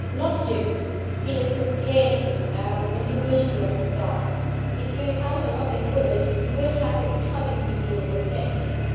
Not you! He is prepared for you now; and he will be on his guard. If you encounter nothing worse, you will have his cunning to deal with next.